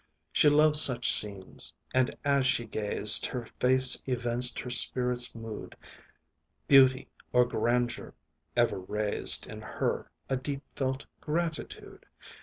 She loved such scenes, and as she gazed, Her face evinced her spirit's mood; Beauty or grandeur ever raised In her, a deep felt gratitude.